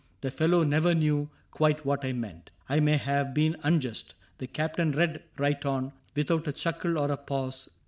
The fellow never knew quite what I meant. I may have been unjust. — The Captain read Right on, without a chuckle or a pause.